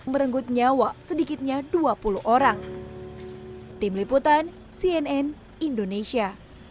merenggut nyawa sedikitnya dua puluh orang tim liputan cnn indonesia